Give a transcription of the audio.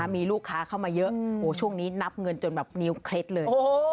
มีลูกค้าเข้ามาเยอะช่วงนี้นับเงินจนแบบนิ้วเคล็ดเลย